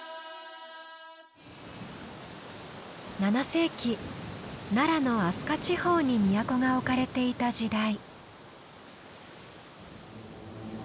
７世紀奈良の明日香地方に都が置かれていた時代。